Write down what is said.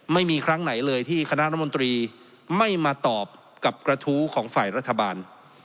ไม่มีครั้งไหนเลยที่คณะรัฐมนตรีไม่มาตอบกับกระทู้ของฝ่ายรัฐบาล